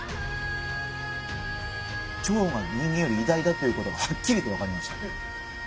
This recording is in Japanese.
チョウが人間より偉大だということがはっきりと分かりました。